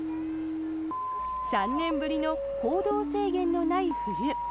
３年ぶりの行動制限のない冬。